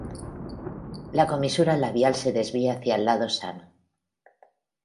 La comisura labial se desvía hacia el lado sano.